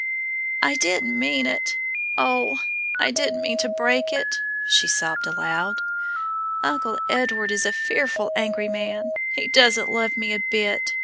"I didn't mean it oh! I didn't mean to break it," she sobbed aloud. "Uncle Edward is a fearful angry man; he doesn't love me a bit.